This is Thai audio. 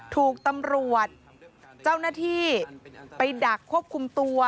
ถูกตำรวจเจ้าหน้าที่ไปดักควบคุมตัว